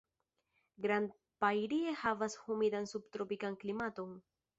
Grand Prairie havas humidan subtropikan klimaton.